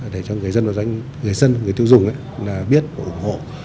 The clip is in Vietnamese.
để cho người dân người tiêu dùng biết ủng hộ